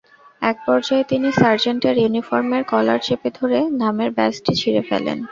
একপর্যায়ে তিনি সার্জেন্টের ইউনিফর্মের কলার চেপে ধরে নামের ব্যাজটি ছিড়ে ফেলেন।